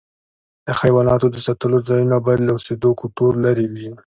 د حیواناتو د ساتلو ځایونه باید له اوسېدو کوټو لیري وي.